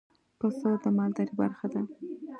پسه د مالدارۍ برخه ده.